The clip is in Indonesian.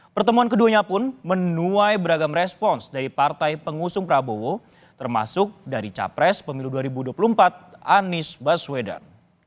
pertemuan keduanya pun menuai beragam respons dari partai pengusung prabowo termasuk dari capres pemilu dua ribu dua puluh empat anies baswedan